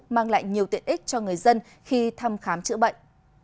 mang lại nhiều tiện ích cho người dân khi thăm khám chữa bệnh